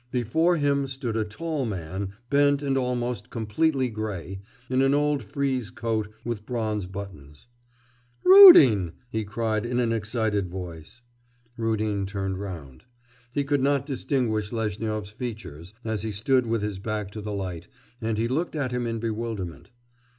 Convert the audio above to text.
Before him stood a tall man, bent and almost completely grey, in an old frieze coat with bronze buttons. 'Rudin!' he cried in an excited voice. Rudin turned round. He could not distinguish Lezhnyov's features, as he stood with his back to the light, and he looked at him in bewilderment.